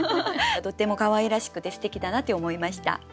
とってもかわいらしくてすてきだなって思いました。